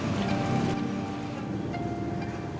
jangan pada ngobrol aja aku